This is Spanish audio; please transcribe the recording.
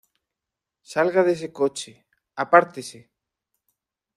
¡ Salga de ese coche! ¡ apártese!